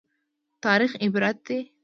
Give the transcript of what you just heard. تاریخ عبرت دی